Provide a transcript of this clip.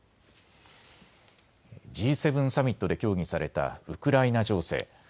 Ｇ７サミットで協議されたウクライナ情勢。